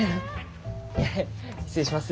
失礼します。